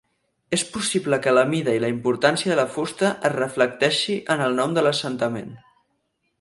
És possible que la mida i la importància de la fusta es reflecteixi en el nom de l'assentament.